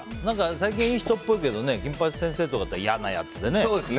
最近、いい人っぽいけど「金八先生」だったらいやなやつでね。